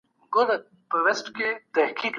دې قدرتونو او جغرافیوي ویشونو دا هېواد سره تجزیه کړ.